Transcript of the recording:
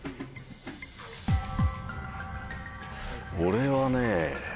俺はね。